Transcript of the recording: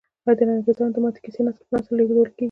آیا د انګریزامو د ماتې کیسې نسل په نسل نه لیږدول کیږي؟